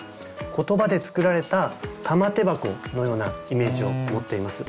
言葉で作られた玉手箱のようなイメージを持っています。